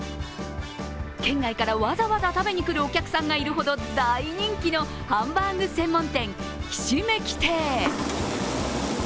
県外からわざわざ食べに来るお客さんがいるほど大人気のハンバーグ専門店、ひしめき亭。